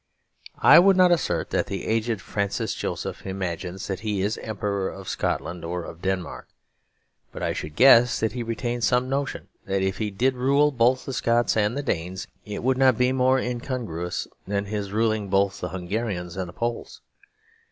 I would not assert that the aged Francis Joseph imagines that he is Emperor of Scotland or of Denmark; but I should guess that he retains some notion that if he did rule both the Scots and the Danes, it would not be more incongruous than his ruling both the Hungarians and the Poles.